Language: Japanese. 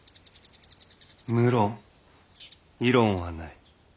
無論異論はない。